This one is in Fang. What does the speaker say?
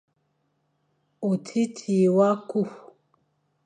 Otiti wa kü,